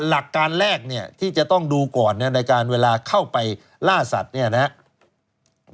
หลักการแรกเนี่ยที่จะต้องดูก่อนในการเวลาเข้าไปล่าสัตว์เนี่ยนะครับ